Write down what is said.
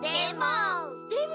でも。